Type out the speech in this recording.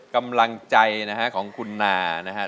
กำลังใจของคุณนานะครับ